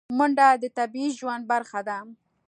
منډه د طبیعي ژوند برخه ده